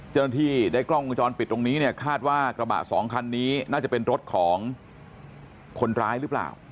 เจ้าหน้าที่ได้กล้องวงจรปิดตรงนี้เนี่ยคาดว่ากระบะสองคันนี้น่าจะเป็นรถของคนร้ายหรือเปล่า